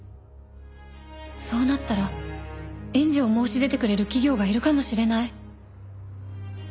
「そうなったら援助を申し出てくれる企業がいるかもしれない」